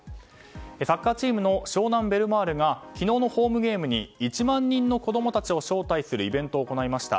サッカーチームの湘南ベルマーレが昨日のホームゲームに１万人の子供たちを招待するイベントを行いました。